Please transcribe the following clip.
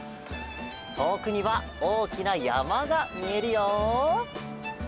とおくにはおおきなやまがみえるよ！